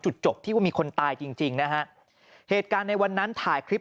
จบที่ว่ามีคนตายจริงจริงนะฮะเหตุการณ์ในวันนั้นถ่ายคลิป